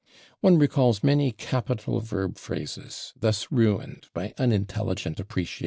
One recalls many capital verb phrases, thus ruined by unintelligent appreciation, /e.